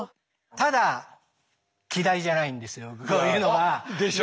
ただ嫌いじゃないんですよこういうのが。でしょ？